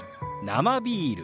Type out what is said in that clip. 「生ビール」。